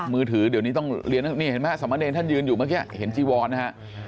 มือถือเดี๋ยวนี้ต้องเรียนนี่เห็นไหมสมเนรท่านยืนอยู่เมื่อกี้เห็นจีวอนนะฮะ